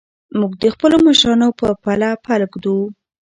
موږ د خپلو مشرانو په پله پل ږدو.